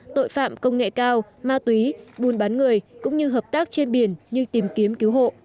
tội phạm công nghệ cao ma túy buôn bán người cũng như hợp tác trên biển như tìm kiếm cứu hộ